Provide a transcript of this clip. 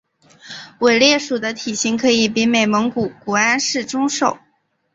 伟鬣兽的体型可以比美蒙古安氏中兽。